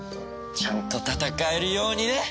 ちゃんと戦えるようにね！